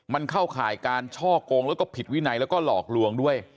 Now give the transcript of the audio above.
มันเข้าข่ายการช่อกงแล้วก็ผิดวินัยแล้วก็หลอกลวงด้วย